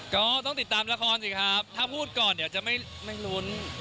ก็ต้องติดตามละครสิครับถ้าพูดก่อนเดี๋ยวจะไม่ลุ้น